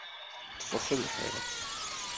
Ṭṭfet lḥiḍ!